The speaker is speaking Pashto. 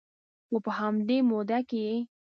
و په همدې موده کې یې